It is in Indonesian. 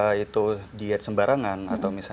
jadi kalau kita itu diet sembarangan atau misalnya asal asalan